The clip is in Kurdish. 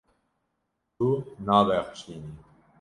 Tu nabexşînî.